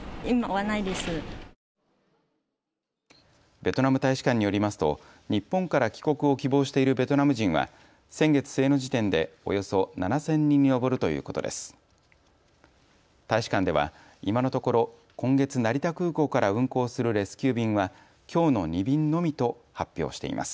ベトナム大使館によりますと日本から帰国を希望しているベトナム人は先月末の時点でおよそ７０００人に上るということです。